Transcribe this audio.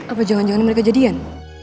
apa jangan jangan mereka jadian